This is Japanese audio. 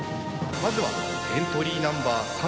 まずはエントリーナンバー３１３サボさん！